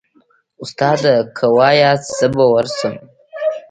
استاده که واياست زه به ورسم.